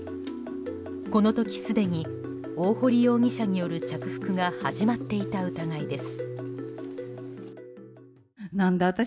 この時、すでに大堀容疑者による着服が始まっていた疑いです。